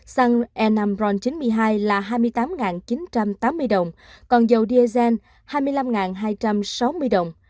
xăng enam ron chín mươi hai là hai mươi tám chín trăm tám mươi đồng còn dầu diazen hai mươi năm hai trăm sáu mươi đồng